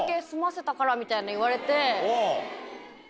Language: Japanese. みたいに言われて。